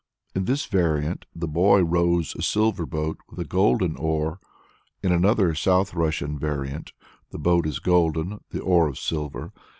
In this variant the boy rows a silver boat with a golden oar; in another South Russian variant the boat is golden, the oar of silver.